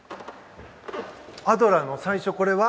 アドラーの最初、これは？